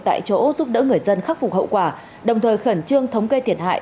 tại chỗ giúp đỡ người dân khắc phục hậu quả đồng thời khẩn trương thống kê thiệt hại